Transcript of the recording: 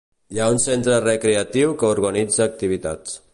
Hi ha un centre recreatiu que organitza activitats.